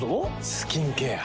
スキンケア。